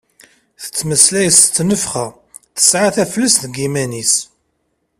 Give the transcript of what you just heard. Tettmeslay s ttnefxa, tesɛa taflest deg yiman-is.